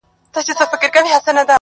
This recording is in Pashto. د محمد پیغام ورک او هېر شو